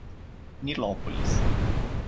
Nilópolis